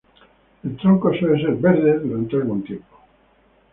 El tronco suele ser verde durante algún tiempo.